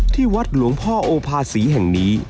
ที่วัดหลวงพ่อโอภาษีแห่งนี้